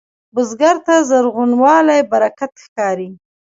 بزګر ته زرغونوالی برکت ښکاري